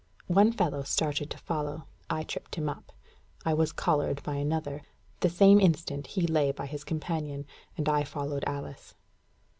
One fellow started to follow. I tripped him up. I was collared by another. The same instant he lay by his companion, and I followed Alice.